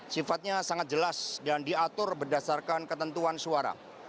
sifatnya sangat jelas dan diatur berdasarkan ketentuan suara